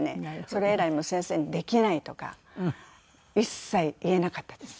それ以来もう先生にできないとか一切言えなかったです。